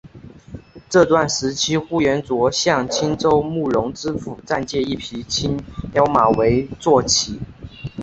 这段时期呼延灼向青州慕容知府暂借一匹青鬃马为坐骑。